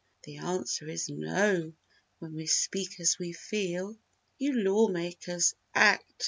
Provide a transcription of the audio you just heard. The answer is "No!" when we speak as we feel. You lawmakers, act!